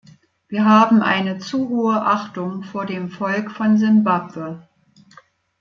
Wir haben eine zu hohe Achtung vor dem Volk von Simbabwe.